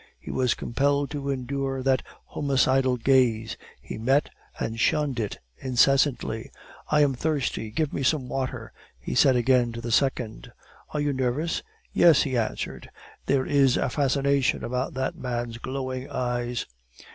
He was compelled to endure that homicidal gaze; he met and shunned it incessantly. "I am thirsty; give me some water " he said again to the second. "Are you nervous?" "Yes," he answered. "There is a fascination about that man's glowing eyes."